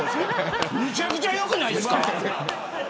めちゃくちゃ良くないですか。